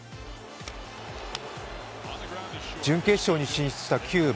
準決勝に進出したキューバ。